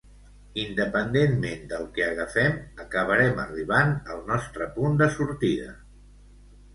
Independentment del que agafem, acabarem arribant al nostre punt de sortida